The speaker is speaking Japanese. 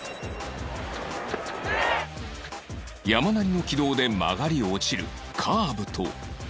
山なりの軌道で曲がり落ちるカーブと